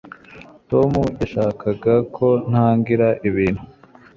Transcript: tom yashakaga ko ntangira ibintu